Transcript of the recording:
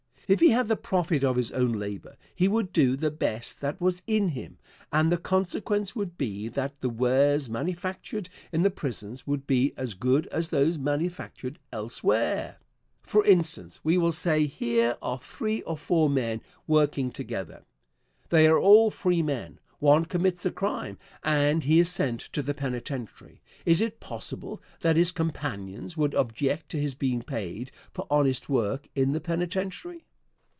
If he had the profit of his own labor he would do the best that was in him, and the consequence would be that the wares manufactured in the prisons would be as good as those manufactured elsewhere. For instance, we will say here are three or four men working together. They are all free men. One commits a crime and he is sent to the penitentiary. Is it possible that his companions would object to his being paid for honest work in the penitentiary?